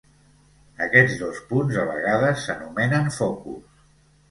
Aquests dos punts, a vegades, s'anomenen focus.